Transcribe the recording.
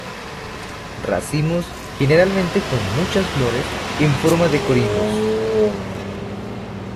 Racimos generalmente con muchas flores, en forma de corimbos.